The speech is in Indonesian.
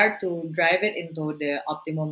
memperkembangkannya ke tahap optimum